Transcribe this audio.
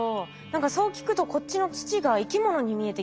何かそう聞くとこっちの土が生き物に見えてきました。